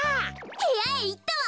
へやへいったわ。